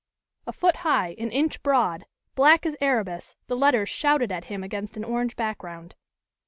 A foot high, an inch broad, black as Erebus, the letters shouted at him against an orange background.